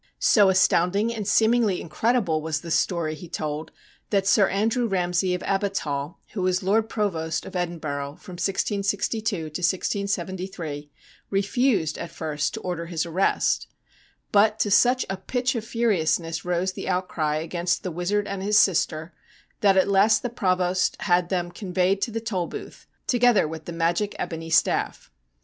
So astounding and seemingly incredible was the story be told that Sir Andrew Ramsay of Abbotshall, who was Lord Provost of Edinburgh from IGG'2 to 1 071 5, refused at first to order his arrest. But to such a pitch of furiousness rose the outcry against the wizard and his sister that at last the Provost had them con veyed to the Tolbooth, together with the magic ebony staff.